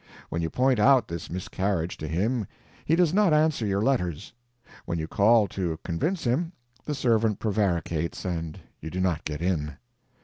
When you point out this miscarriage to him he does not answer your letters; when you call to convince him, the servant prevaricates and you do not get in.